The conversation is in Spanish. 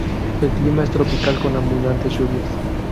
El clima es tropical con abundantes lluvias.